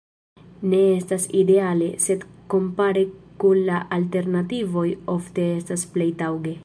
Ne estas ideale, sed kompare kun la alternativoj ofte estas plej taŭge.